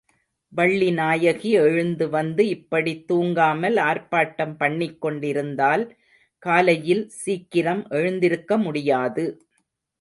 வள்ளிநாயகி எழுந்து வந்து, இப்படித் தூங்காமல் ஆர்ப்பாட்டம் பண்ணிக்கொண்டிருந்தால், காலையில் சீக்கிரம் எழுந்திருக்க முடியாது.